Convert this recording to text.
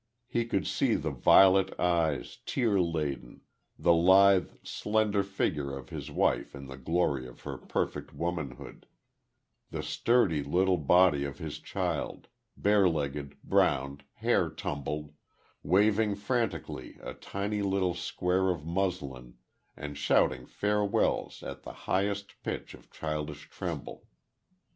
He could see the violet eyes, tear laden, the lithe, slender, figure of his wife in the glory of her perfect womanhood the sturdy little body of his child, barelegged, browned, hair tumbled, waving frantically a tiny little square of muslin and shouting farewells at the highest pitch of childish treble.